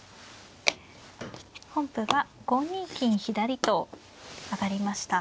本譜は５ニ金左と上がりました。